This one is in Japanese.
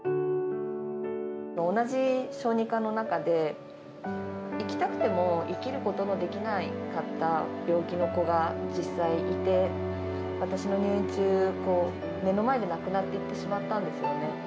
同じ小児科の中で、生きたくても生きることのできなかった病気の子が実際いて、私の入院中、目の前で亡くなっていってしまったんですよね。